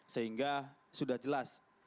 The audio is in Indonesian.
sehingga sudah jelas